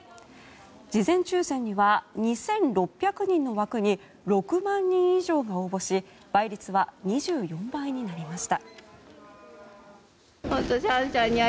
事前抽選には２６００人の枠に６万人以上が応募し倍率は２４倍になりました。